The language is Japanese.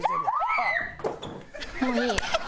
もういい。